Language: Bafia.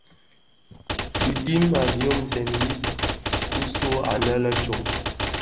Dhi dhim a dyomzèn dhi diyis bisig anne lè tsom.